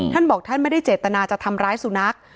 ท่านบอกท่านไม่ได้เจตนาจะทำร้ายสุนัข